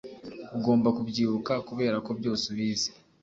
ugomba kubyibuka kubera ko byose ubizi